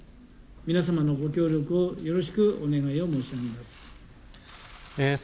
皆様のご協力をよろしくお願いを申し上げます。